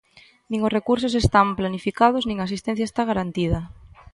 Nin os recursos están planificados, nin a asistencia está garantida.